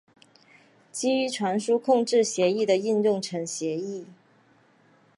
基于传输控制协议的应用层协议。